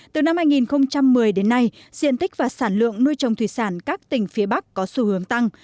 từ năm hai nghìn một mươi đến nay diện tích và sản lượng nuôi trồng thủy sản các tỉnh phía bắc có xu hướng tăng